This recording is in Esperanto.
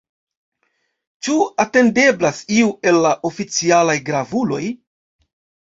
Ĉu atendeblas iu el la oficialaj gravuloj?